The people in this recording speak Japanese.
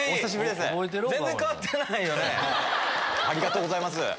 ありがとうございます。